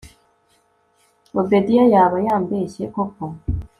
obedia yaba yambeshye koko